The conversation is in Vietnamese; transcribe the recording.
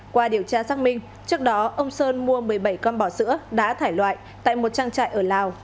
qua điều tra xác minh trước đó ông sơn mua một mươi bảy con bò sữa đã thải loại tại một trang trại ở lào